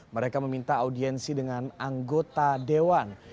mereka meminta audiensi dengan anggota dewan